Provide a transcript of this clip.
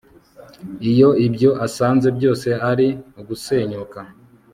iyo ibyo asanze byose ari ugusenyuka